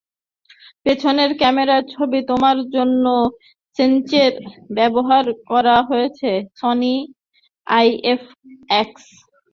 পেছনের ক্যামেরায় ছবি তোলার জন্য সেন্সর ব্যবহার করা হয়েছে সনি আইএমএক্স।